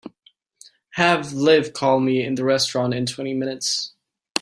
Have Liv call me in the restaurant in twenty minutes.